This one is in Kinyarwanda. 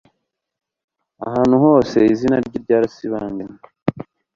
ahantu hose, izina rye ryarasibanganye